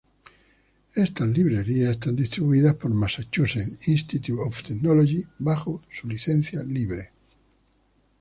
Estas librerías están distribuidas por Massachusetts Institute of Technology bajo su licencia libre.